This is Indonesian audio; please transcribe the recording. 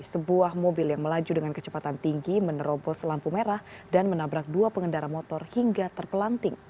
sebuah mobil yang melaju dengan kecepatan tinggi menerobos lampu merah dan menabrak dua pengendara motor hingga terpelanting